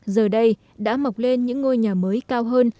giờ đây đã mọc lên những ngôi nhà mới cao hơn